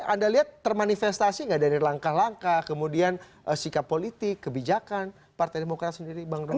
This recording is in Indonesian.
anda lihat termanifestasi nggak dari langkah langkah kemudian sikap politik kebijakan partai demokrat sendiri bang ron